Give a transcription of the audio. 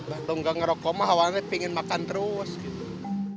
kalau nggak ngerokok mah awalnya pengen makan terus gitu